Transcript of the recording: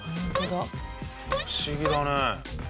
不思議だね。